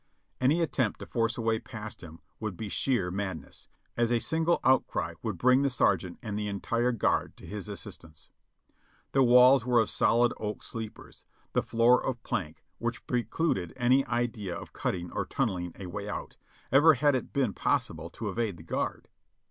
Any attempt to force a way past him would be sheer madness, as a single out cry would bring the sergeant and the entire guard to his assistance. The walls were of solid oak sleepers, the floor of plank, which precluded any idea of cutting or tunnelling a way out, even had it been possible to evade the guard.